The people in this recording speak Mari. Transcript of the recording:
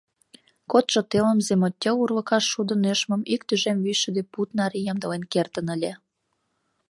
Кодшо телым земотдел урлыкаш шудо нӧшмым ик тӱжем вичшӱдӧ пуд наре ямдылен кертын ыле.